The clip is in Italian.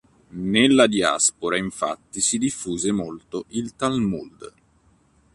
Nella diaspora infatti si diffuse molto il Talmud.